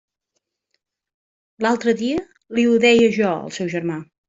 L'altre dia li ho deia jo al seu germà.